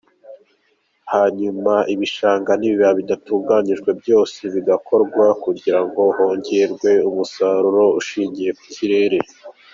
Hanyuma ibishanga n’ibibaya bidatunganijwe byose bigakorwa kugira ngo hongerwe umusaruro udashingiye ku kirere.